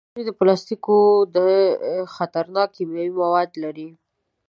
ځینې پلاستيکونه خطرناک کیمیاوي مواد لري.